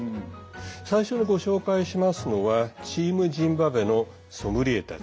最初にご紹介しますのは「チーム・ジンバブエのソムリエたち」。